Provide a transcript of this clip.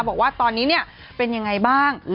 บอกว่าตอนนี้เนี่ยเป็นยังไงบ้าง